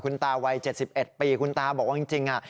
คุณตาวัย๗๑ปีคุณตาบอกว่าจริง